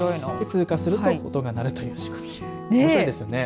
通過すると音が鳴るという仕組みおもしろいですよね。